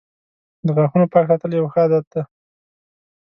• د غاښونو پاک ساتل یوه ښه عادت دی.